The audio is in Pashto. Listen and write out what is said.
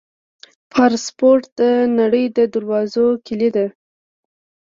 پاسپورټ د نړۍ د دروازو کلي ده.